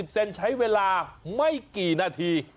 เซนใช้เวลาไม่กี่นาที